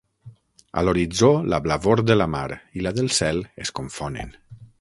A l'horitzó la blavor de la mar i la del cel es confonen.